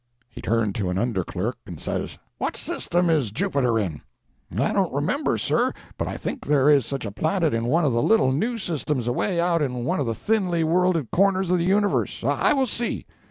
He turned to an under clerk and says— "What system is Jupiter in?" "I don't remember, sir, but I think there is such a planet in one of the little new systems away out in one of the thinly worlded corners of the universe. I will see."